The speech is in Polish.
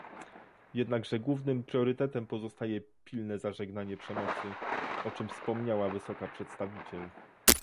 Jednakże głównym priorytetem pozostaje pilne zażegnanie przemocy, o czym wspomniała wysoka przedstawiciel